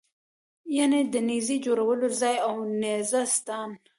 یعنې د نېزې جوړولو ځای او نېزه ستان.